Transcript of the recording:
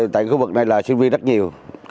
tại khu vực này là sinh viên rất nhiều